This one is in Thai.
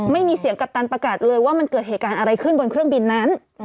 ไม่มีเสียงกัปตันประกาศเลยว่ามันเกิดเหตุการณ์อะไรขึ้นบนเครื่องบินนั้น